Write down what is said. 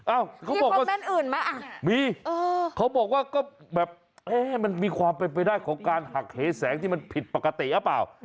มีคอมเม้นต์อื่นไหมมีเขาบอกว่ามันมีความเป็นไปได้ของการหักเหตุแสงที่มันผิดปกติหรือเปล่า